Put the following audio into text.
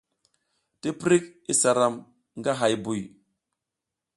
Tiprik isa ram nga hay buy.